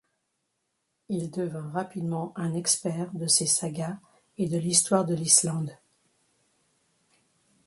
Il devint rapidement un expert de ces sagas et de l'histoire de l'Islande.